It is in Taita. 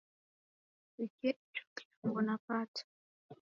Niw'ikie icho kilambo napata.